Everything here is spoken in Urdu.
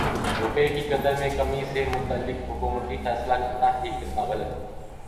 روپے کی قدر میں کمی سے متعلق حکومتی فیصلہ کتنا ٹھیک کتنا غلط